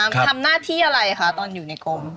ทำหน้าที่อะไรคะตอนอยู่ในกรม